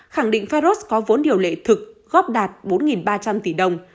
khẳng định feros có vốn điều lệ thực góp đạt bốn ba trăm linh tỷ đồng